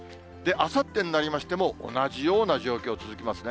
あさってになりましても、同じような状況、続きますね。